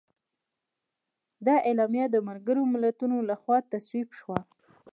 دا اعلامیه د ملګرو ملتونو لخوا تصویب شوه.